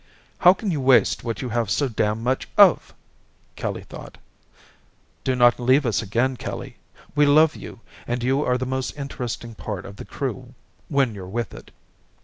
"How can you waste what you have so damn much of?" Kelly thought. "Do not leave us again, Kelly. We love you and you are the most interesting part of the Crew when you're with it."